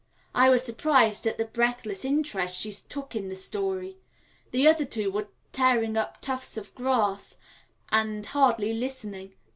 I was surprised at the breathless interest she took in the story the other two were tearing up tufts of grass and hardly listening.